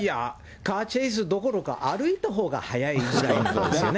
カーチェイスどころか、歩いたほうが早いぐらいなんですよね。